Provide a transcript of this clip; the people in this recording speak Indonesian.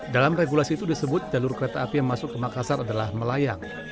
dalam regulasi itu disebut jalur kereta api yang masuk ke makassar adalah melayang